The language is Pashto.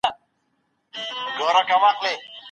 توان او غښتلتیا د انسان د هڅو پایله ده.